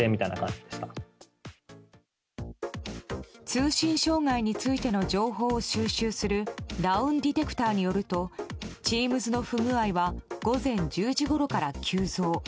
通信障害についての情報を収集するダウンディテクターによるとＴｅａｍｓ不具合は午前１０時ごろから急増。